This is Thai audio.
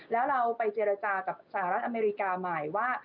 แล้วเราไปเจรจากับสหรัฐอเมริกาใหม่ว่า